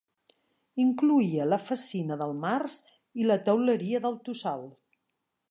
Incloïa la Fassina del Març i la Teuleria del Tossal.